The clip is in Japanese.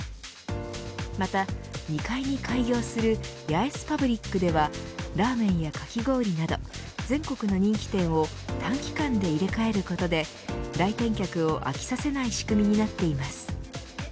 また２階に開業するヤエスパブリックではラーメンやかき氷など全国の人気店を短期間で入れ替えることで来店客を飽きさせない仕組みになっています。